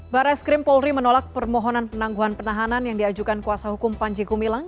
barres krim polri menolak permohonan penangguhan penahanan yang diajukan kuasa hukum panji gumilang